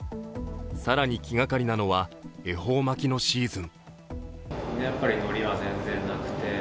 更に気がかりなのは恵方巻きのシーズン。